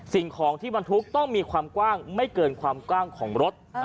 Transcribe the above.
สิ่งของที่บรรทุกต้องมีความกว้างไม่เกินความกว้างของรถ